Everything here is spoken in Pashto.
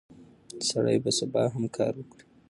سړی به سبا هم کار وکړي.